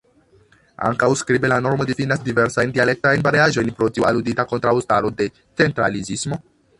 Ankaŭ skribe la normo difinas diversajn dialektajn variaĵojn, pro tiu aludita kontraŭstaro de centralizismo.